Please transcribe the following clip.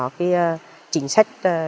để có cái chính sách